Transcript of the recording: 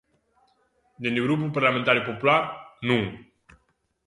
Dende o Grupo Parlamentario Popular, non.